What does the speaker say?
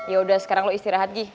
yaudah sekarang lo istirahat gih